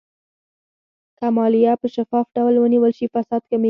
که مالیه په شفاف ډول ونیول شي، فساد کمېږي.